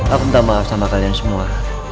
aku minta maaf sama kalian semua